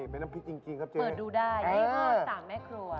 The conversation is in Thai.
เป็นน้ำพริกจริงครับเจ๊เปิดดูได้ยังไงครับสามแม่ครัว